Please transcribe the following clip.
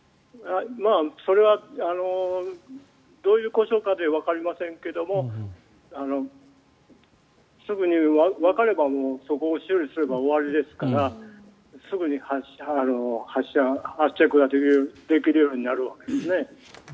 それはどういう故障かわかりませんがすぐにわかればそこを修理すれば終わりですからすぐに発車、発着ができるようになるわけですね。